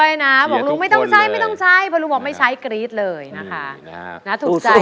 อย่าถูกลงด้วยนะบอกลุงไม่ต้องใช้พอลุงบอกไม่ใช้กรี๊ดเลยนะคะถูกใจ